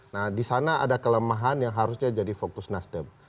nah di sana ada kelemahan yang harusnya jadi fokus nasdem